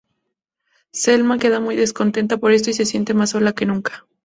Selma queda muy descontenta por esto, y se siente más sola que nunca.